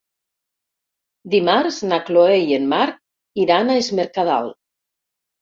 Dimarts na Chloé i en Marc iran a Es Mercadal.